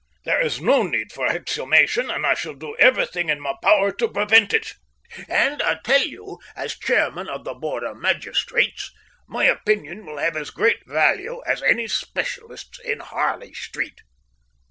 There is no need for exhumation, and I shall do everything in my power to prevent it. And I tell you as chairman of the board of magistrates, my opinion will have as great value as any specialist's in Harley Street."